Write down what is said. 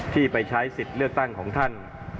ที่ไปใช้สิทธิ์เลือกตั้งของท่าน